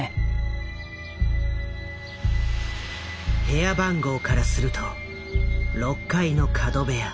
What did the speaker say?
部屋番号からすると６階の角部屋。